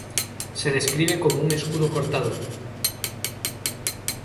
Se describe como un escudo cortado.